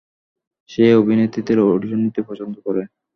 সে অভিনেত্রীদের অডিশন নিতে পছন্দ করে।